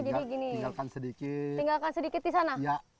tinggalkan sedikit di sana